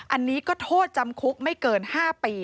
อันนี้ก็โทษจำคุกไม่เกิน๕ปี